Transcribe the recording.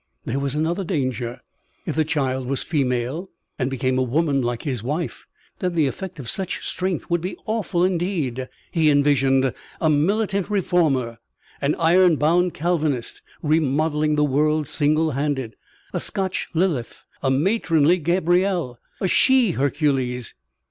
There was another danger. If the child was female and became a woman like his wife, then the effect of such strength would be awful indeed. He envisioned a militant reformer, an iron bound Calvinist, remodelling the world single handed. A Scotch Lilith, a matronly Gabriel, a she Hercules.